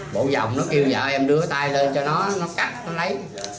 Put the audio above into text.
bộ vòng nó kêu vợ em đưa tay lên cho nó nó cắt nó lấy